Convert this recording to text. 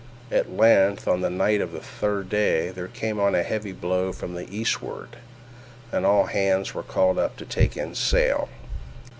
At length, on the night of the third day, there came on a heavy blow from the eastward, and all hands were called up to take in sail.